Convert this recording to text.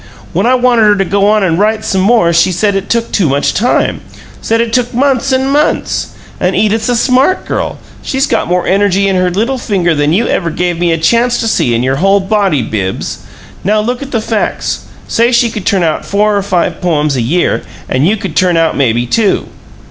When I wanted her to go on and write some more she said it took too much time. Said it took months and months. And Edith's a smart girl; she's got more energy in her little finger than you ever give me a chance to see in your whole body, Bibbs. Now look at the facts: say she could turn out four or five poems a year and you could turn out maybe two.